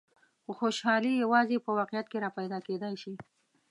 خو خوشحالي یوازې په واقعیت کې را پیدا کېدای شي.